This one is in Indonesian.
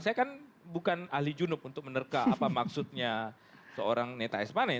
saya kan bukan ahli junuk untuk menerka apa maksudnya seorang neta espane